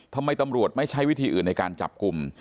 ทำไมตำรวจไม่ใช้วิธีอื่นในการจับกลุ่ม